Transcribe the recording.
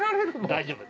大丈夫。